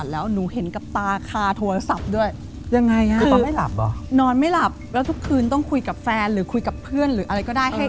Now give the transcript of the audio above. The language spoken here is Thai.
แล้วทุกคืนต้องคุยกับแฟนหรือคุยกับเพื่อนหรืออะไรก็ได้